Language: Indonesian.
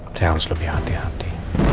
saya harus lebih hati hati